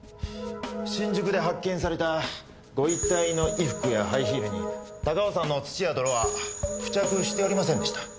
新宿で発見されたご遺体の衣服やハイヒールに高尾山の土や泥は付着しておりませんでした。